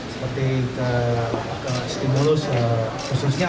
seperti stimulus khususnya